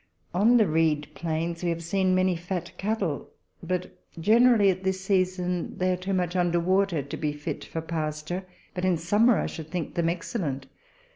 On the reed plains we have seen many fat cattle ; but generally, at this season, they are too much under water to be fit for pasture, but in summer I should think them excellent.